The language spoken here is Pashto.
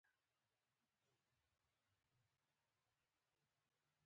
آیا د پښتنو په کلتور کې د کونډې نکاح کول ثواب نه دی؟